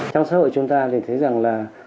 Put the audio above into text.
trong xã hội chúng ta thì thấy rằng là